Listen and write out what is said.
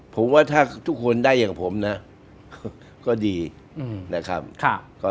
ผมว่าถ้าทุกคนได้อย่างผมนะก็ดีนะครับ